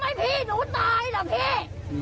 ทำให้พี่หนูตายเหรอพี่